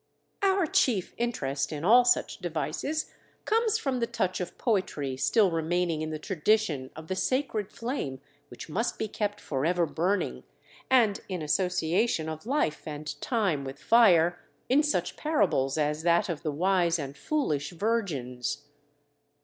Our chief interest in all such devices comes from the touch of poetry still remaining in the tradition of the sacred flame which must be kept forever burning, and in association of life and time with fire, in such parables as that of the Wise and Foolish Virgins.